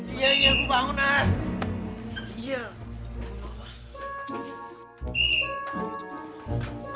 iya iya gue bangun lah